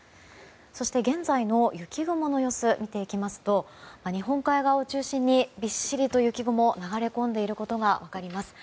そして現在の雪雲の様子を見ていきますと日本海側を中心にびっしりと雪雲が流れ込んでいることが分かります。